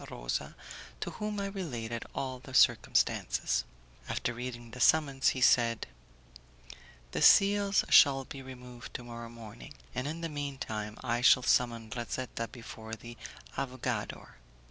Rosa, to whom I related all the circumstances. After reading the summons he said, "The seals shall be removed to morrow morning, and in the meantime I shall summon Razetta before the avogador.